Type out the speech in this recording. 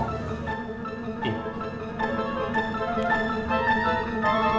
sampai jumpa lagi